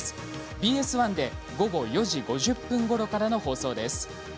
ＢＳ１で午後４時５０分ごろからの放送です。